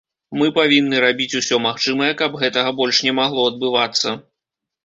Мы павінны рабіць усё магчымае, каб гэтага больш не магло адбывацца.